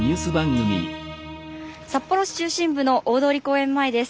札幌市中心部の大通公園前です。